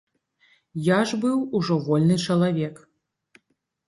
Я ж быў ужо вольны чалавек.